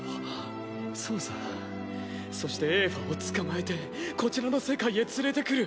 そうさそしてエーファを捕まえてこちらの世界へ連れてくる。